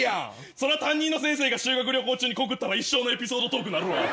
そりゃ担任の先生が修学旅行中に告ったら一生のエピソードトークになるわ。